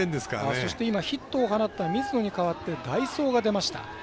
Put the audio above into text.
そして、ヒットを打った水野に代わって代走が出ました。